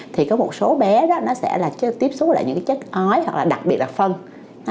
thì có một số bé đó nó sẽ là tiếp xúc lại những cái chết ói hoặc là đặc biệt là phân